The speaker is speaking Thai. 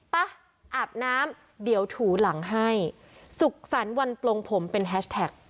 ป่ะอาบน้ำเดี๋ยวถูหลังให้สุขสรรค์วันปลงผมเป็นแฮชแท็ก